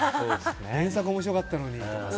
原作面白かったのにとか。